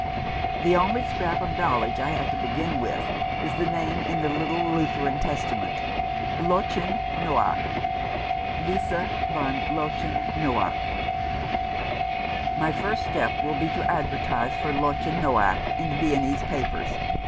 The only scrap of knowledge I have to begin upon is the name in the little Lutheran Testament — Lottchen Noaek. " Lisa, von Lottchen Noack." " My first step will be to advertise for Lottchen ?55 Rough Justice. Noack in the Viennese papers.